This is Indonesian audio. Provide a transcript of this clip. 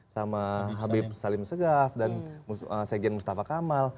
sama habib salim segaf dan sekjen mustafa kamal